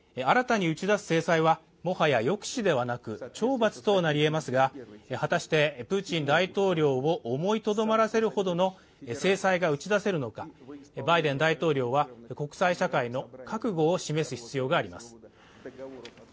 新たに打ち出す制裁はもはや抑止ではなく懲罰となりえますが、果たしてプーチン大統領を思いとどまらせるほどの制裁が打ち出せるのか、バイデン大統領は国際社会の覚悟を示す必要があります。